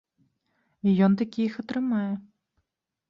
І ён-такі іх атрымае.